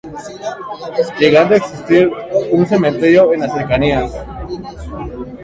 Llegando a existir un cementerio en las cercanías.